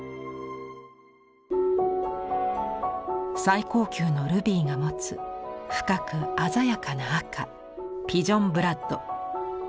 最高級のルビーが持つ深く鮮やかな赤「ピジョンブラッド」。